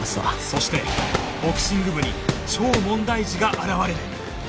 そしてボクシング部に超問題児が現れる